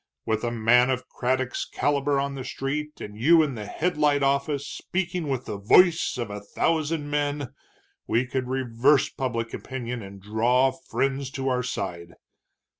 With a man of Craddock's caliber on the street, and you in the Headlight office speaking with the voice of a thousand men, we could reverse public opinion and draw friends to our side.